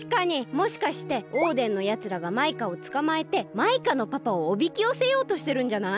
もしかしてオーデンのやつらがマイカをつかまえてマイカのパパをおびきよせようとしてるんじゃない？